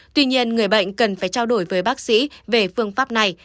tuy nhiên người bệnh cần phải trao đổi với bác sĩ về phương pháp này